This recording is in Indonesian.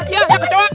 ya ya kecua